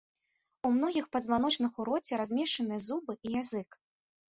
У многіх пазваночных у роце размешчаныя зубы і язык.